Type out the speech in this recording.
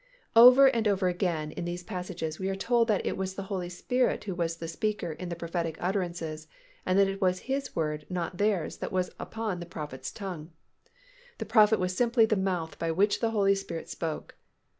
Over and over again in these passages we are told that it was the Holy Spirit who was the speaker in the prophetic utterances and that it was His word, not theirs, that was upon the prophet's tongue. The prophet was simply the mouth by which the Holy Spirit spoke.